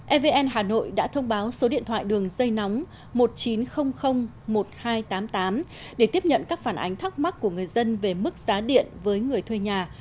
evn hà nội đã thông báo số điện thoại đường dây nóng một chín không không một hai tám tám để tiếp nhận các phản ánh thắc mắc của người dân về mức giá điện với người thuê nhà